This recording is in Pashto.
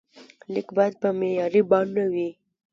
لیک باید په معیاري بڼه وي.